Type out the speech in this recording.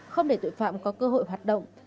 không để tội phạm có cơ hội hoạt động